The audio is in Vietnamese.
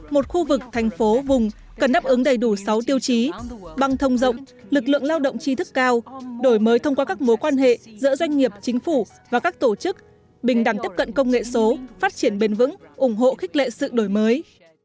một khu vực thành phố vùng cần đáp ứng đầy đủ sáu tiêu chí băng thông rộng lực lượng lao động tri thức cao đổi mới thông qua các mối quan hệ giữa doanh nghiệp chính phủ và các tổ chức bình đẳng tiếp cận công nghệ số phát triển bền vững ủng hộ khích lệ sự đổi mới